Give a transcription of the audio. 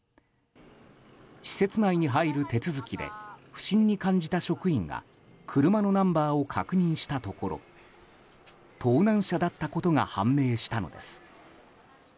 施設内に入る手続きで不審に感じた職員が車のナンバーを確認したところ盗難車だったことが判明したのです。